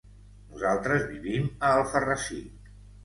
Nosaltres vivim a Alfarrasí.